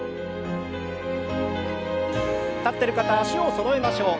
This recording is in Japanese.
立ってる方は脚をそろえましょう。